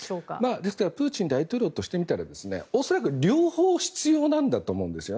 ですからプーチン大統領としてみたら恐らく両方必要なんだと思うんです。